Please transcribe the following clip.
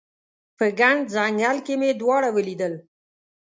په ګڼ ځنګل کې مې دواړه ولیدل